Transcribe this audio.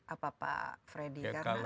apa pak freddy